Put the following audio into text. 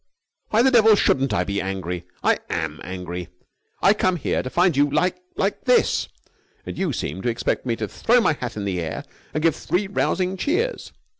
"Why the devil shouldn't I be angry? I am angry! I come here and find you like like this, and you seem to expect me to throw my hat in the air and give three rousing cheers!